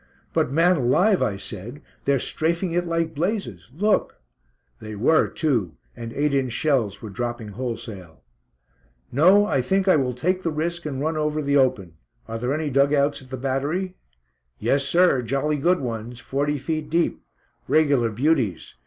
"But, man alive," I said, "they're strafing it like blazes. Look!" They were, too, and 8 inch shells were dropping wholesale. "No, I think I will take the risk and run over the open. Are there any dug outs at the battery?" "Yes, sir, jolly good ones; forty feet deep; regular beauties.